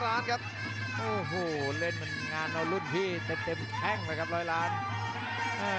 ล้านครับโอ้โหเล่นมันงานเอารุ่นพี่เต็มแข้งเลยครับร้อยล้าน